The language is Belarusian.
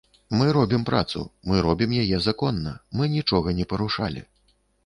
Мы робім працу, мы робім яе законна, мы нічога не парушалі.